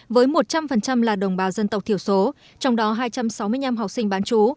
với một trăm linh là đồng bào dân tộc thiểu số trong đó hai trăm sáu mươi năm học sinh bán chú